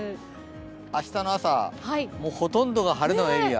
明日の朝、ほとんどが晴れのエリア。